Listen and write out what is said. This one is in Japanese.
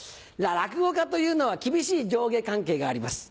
落語家というのは厳しい上下関係があります。